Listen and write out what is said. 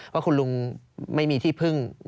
ว่าคุณลุงไม่มีที่พึ่ง